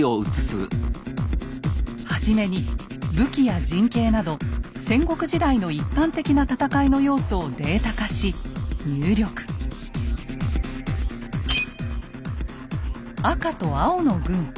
初めに武器や陣形など戦国時代の一般的な戦いの要素をデータ化し赤と青の軍。